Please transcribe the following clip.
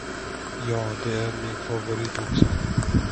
Ja, det är min favorit också.